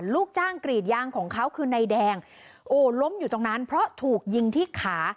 ลูกจ้างกรีดยางของเขาคือนายแดงโอ้ล้มอยู่ตรงนั้นเพราะถูกยิงที่ขา